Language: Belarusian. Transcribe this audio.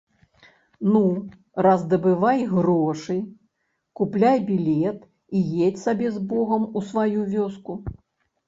Ну, раздабывай грошы, купляй білет і едзь сабе з богам у сваю вёску.